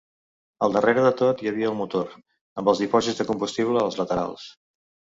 Al darrere de tot hi havia el motor, amb els dipòsits de combustible als laterals.